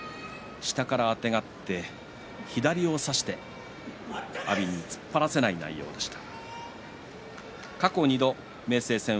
下からあてがって左を差して突っ張らせない内容でした。